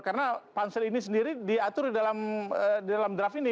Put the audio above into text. karena pansel ini sendiri diatur dalam draft ini